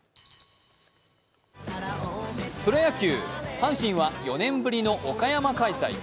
プロ野球、阪神は４年ぶりの岡山開催。